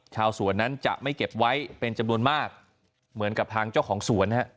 ชาวสวนนั้นจะไม่เก็บไว้เป็นจำนวนมากเหมือนกับทางเจ้าของสวนฮะ